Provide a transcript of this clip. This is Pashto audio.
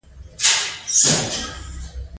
د کړکېچونو له کبله د پانګوالۍ تضادونه زیاتېږي